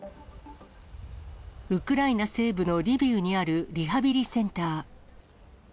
ウクライナ西部のリビウにあるリハビリセンター。